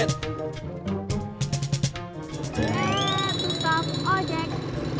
eh tukang ojek